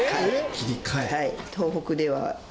はい。